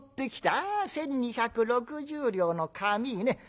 ああ１，２６０両の紙ね。